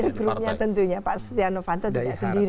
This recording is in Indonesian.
dengan peer groupnya tentunya pak setia novanto tidak sendiri